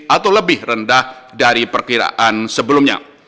atau lebih rendah dari perkiraan sebelumnya